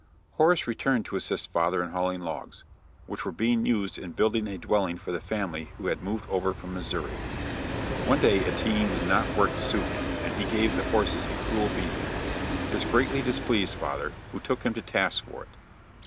Horace returned to assist father in hauling logs, which were being used in building a dwelling for the family who had moved over from Missouri. One day a team did not work to suit him, and he gave the horses a cruel beating. This greatly displeased father, who took him to task for it.